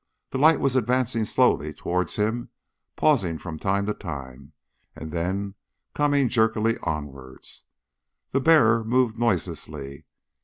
The light was advancing slowly towards him, pausing from time to time, and then coming jerkily onwards. The bearer moved noiselessly.